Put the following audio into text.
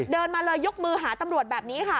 เดินมาเลยยกมือหาตำรวจแบบนี้ค่ะ